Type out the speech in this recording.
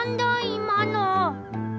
いまの！